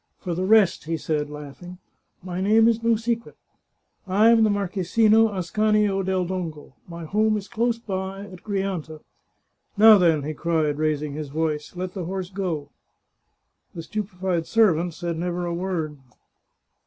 " For the rest," he said, laughing, " my name is no secret. I am the Marchesino Ascanio del Dongo. My home is close by, at Grianta. Now, then," he cried, raising his voice, " let the horse go !" The stupefied servant said never a word.